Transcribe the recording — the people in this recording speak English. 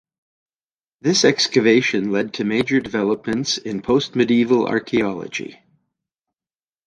This excavation led to major developments in post-medieval archaeology.